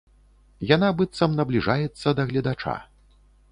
Яна быццам набліжаецца да гледача.